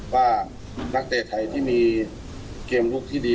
ว่านักเตะไทยที่มีเกมลุกที่ดี